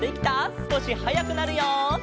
すこしはやくなるよ。